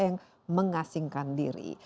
yang mengasingkan diri